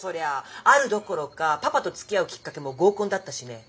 あるどころかパパとつきあうきっかけも合コンだったしね。